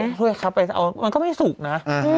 เอาถ้วยครับไปค่ะมันก็ไม่สุกนะ